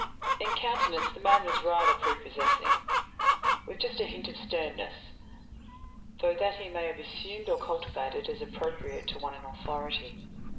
In countenance the man was rather prepossessing, with just a hint of sternness; though that he may have assumed or cultivated, as appropriate to one in authority.